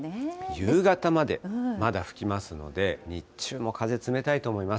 夕方まで、まだ吹きますので、日中も風冷たいと思います。